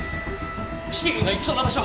四鬼君が行きそうな場所。